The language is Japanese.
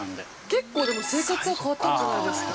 ◆結構、でも生活は変わったんじゃないですか。